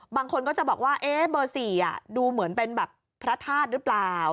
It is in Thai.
บางคนก็จะบอกว่าเบอร์๔ดูเหมือนเป็นแบบพระธาตุหรือเปล่า